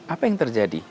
apa yang terjadi